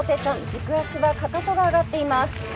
軸足はかかとが上がっています。